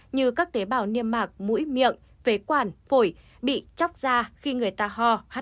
như các tế bào niêm mạc mũi miệng phế quản phổi bị chóc ra khi người ta ho hắt hơi